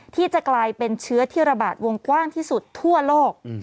ที่จะกลายเป็นเชื้อที่ระบาดวงกว้างที่สุดทั่วโลก